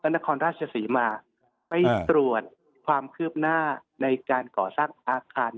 นครราชศรีมาไปตรวจความคืบหน้าในการก่อสร้างอาคาร